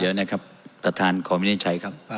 เดี๋ยวนะครับประธานขอวินิจฉัยครับ